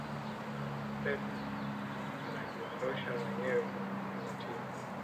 pep anajiondosha mwenyewe kwenye timu